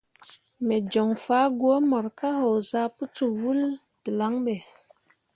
Me joŋ fah gwǝ mor ka haozah pǝ cok wul dǝlaŋ ɓe.